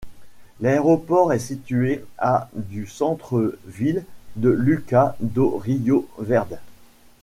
L'aéroport est situé à du centre-ville de Lucas do Rio Verde.